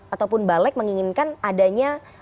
ataupun balek menginginkan adanya